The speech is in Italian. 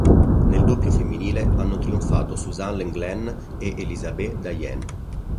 Nel doppio femminile hanno trionfato Suzanne Lenglen e Élisabeth d'Ayen.